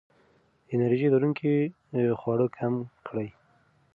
انرژي لرونکي خواړه کم کړئ.